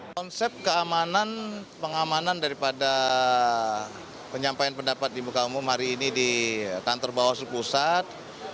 konsep pengamanan daripada penyampaian pendapat di buka umum hari ini di kantor bawaslu pusat